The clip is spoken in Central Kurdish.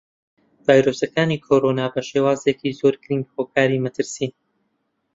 ڤایرۆسەکانی کۆڕۆنا بەشێوازێکی زۆر گرینگ هۆکاری مەترسین.